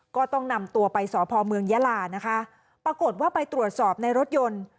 ก็ต้องนำตัวไปสพเมืองยาลานะคะปรากฏว่าไปตรวจสอบในรถยนต์